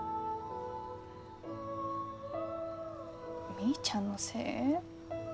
みーちゃんのせい？